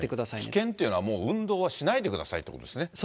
危険というのはもう運動はしないでくださいということですね。